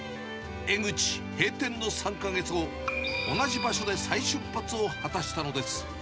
江ぐち閉店の３か月後、同じ場所で再出発を果たしたのです。